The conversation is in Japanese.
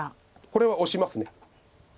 これはオシます。